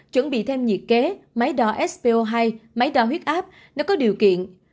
chuẩn bị thêm nhiệt kế máy đo sco hai máy đo huyết áp nếu có điều kiện